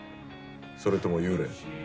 それとも幽霊？